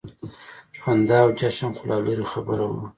خندا او جشن خو لا لرې خبره وه.